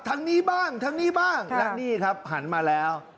ทั้งนี้บ้างทั้งนี้บ้างและนี่ครับหันมาแล้ว